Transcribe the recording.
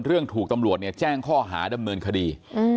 เรื่องถูกตำรวจแจ้งข้อหาดำเนินคดี